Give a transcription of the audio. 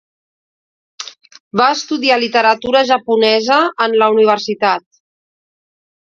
Va estudiar literatura japonesa en la universitat.